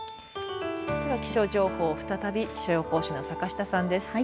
では、気象情報再び気象予報士の坂下さんです。